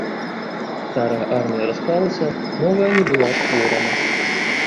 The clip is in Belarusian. Старая армія распалася, новая не была створана.